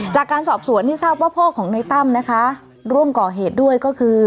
จากการสอบสวนที่ทราบว่าพ่อของในตั้มนะคะร่วมก่อเหตุด้วยก็คือ